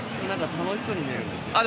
楽しそうに見えるんですけど。